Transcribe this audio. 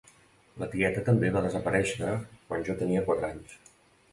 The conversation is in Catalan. La tieta també va desaparèixer quan jo tenia quatre anys.